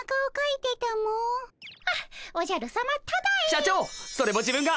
社長それも自分が。